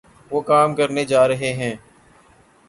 وہ کام کرنےجارہےہیں